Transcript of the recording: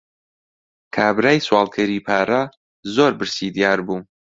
کابرای سواڵکەری پارە، زۆر برسی دیار بوو.